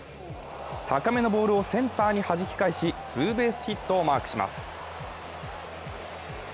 高めのボールをセンターにはじき返し、ツーベースヒットをマークします。